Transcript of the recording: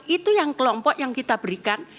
itu yang kelompok yang kita berikan